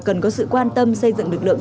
cần có sự quan tâm xây dựng lực lượng